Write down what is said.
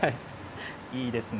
いいですね。